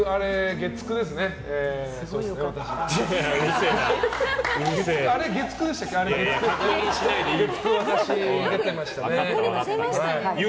月９、私出てましたね。